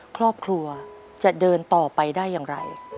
ครอบครัวจะเดินต่อไปได้อย่างไร